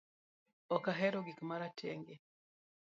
Ok ahero gik maratenge